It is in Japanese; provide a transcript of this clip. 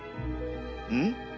うん？